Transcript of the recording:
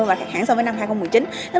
và khác hẳn so với năm hai nghìn một mươi chín